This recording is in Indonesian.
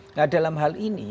nah dalam hal ini